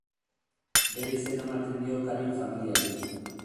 Bere izena ematen dio Karin familiari.